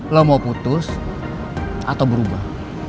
lo mau putus atau berubah